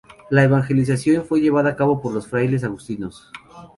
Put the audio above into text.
La evangelización fue llevada a cabo por los frailes agustinos.